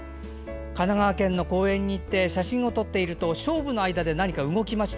神奈川県の公園に行って写真を撮っているとショウブの間で何か動きました。